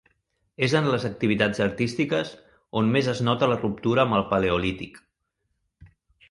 És en les activitats artístiques on més es nota la ruptura amb el paleolític.